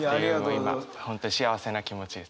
今本当に幸せな気持ちです。